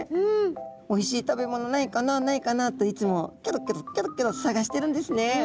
おいしい食べ物ないかなないかなといつもキョロキョロキョロキョロ探してるんですね。